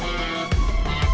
lalu aku mau kemana